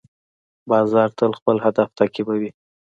باز تل خپل هدف تعقیبوي